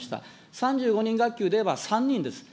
３５人学級では３人です。